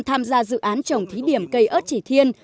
tham gia dự án trồng thí điểm cây ớt chỉ thiên